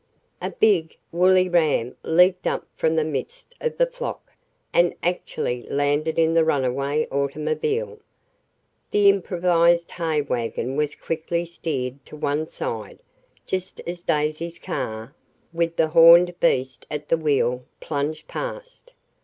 A big, woolly ram leaped up from the midst of the flock, and actually landed in the runaway automobile. The improvised hay wagon was quickly steered to one side, just as Daisy's car, with the horned beast at the wheel, plunged past.